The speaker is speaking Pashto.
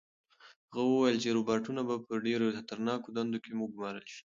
هغه وویل چې روبوټونه به په ډېرو خطرناکو دندو کې وګمارل شي.